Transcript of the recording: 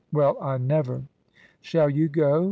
Well, I never!" "Shall you go?"